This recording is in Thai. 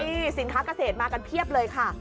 นี่สินค้าเกษตรมากันเพียบเลยค่ะ